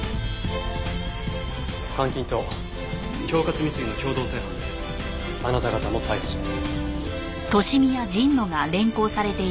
監禁と恐喝未遂の共同正犯であなた方も逮捕します。